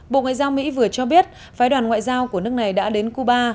bộ ngoại giao mỹ vừa cho biết phái đoàn ngoại giao của nước này đã đến cuba